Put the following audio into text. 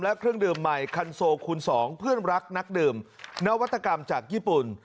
และเครื่องดื่มใหม่คันโซคูณ๒เพื่อนรักนักดื่มนวัตกรรมจากญี่ปุ่น